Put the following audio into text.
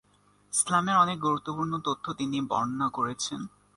ইসলামের অনেক গুরুত্বপূর্ণ তথ্য তিনি বর্ণনা করেছেন।